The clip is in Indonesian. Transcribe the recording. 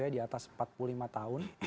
di atas empat puluh lima tahun